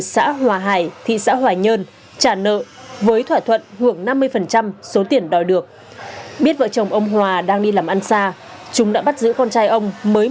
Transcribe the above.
xử lý hình sự ba mươi tám nhóm